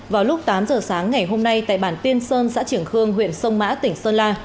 vào lúc tám giờ sáng ngày hôm nay tại bản tiên sơn xã triển khương huyện sông mã tỉnh sơn la